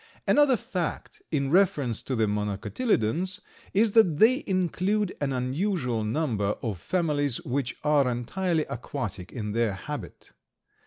Another fact in reference to the Monocotyledons is that they include an unusual number of families which are entirely aquatic in their habit.